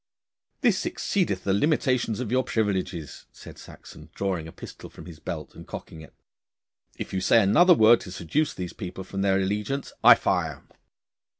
'This exceedeth the limitations of your privileges,' said Saxon, drawing a pistol from his belt and cocking it. 'If you say another word to seduce these people from their allegiance, I fire.